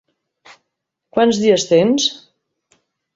Quants dies tens?